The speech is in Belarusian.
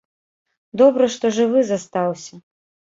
Добра, што жывы застаўся.